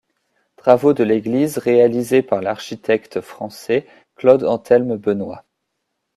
Travaux de l'église réalisés par l'architecte français Claude-Anthelme Benoit.